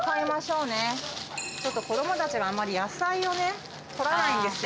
ちょっと子供たちがあんまり野菜をね取らないんですよ。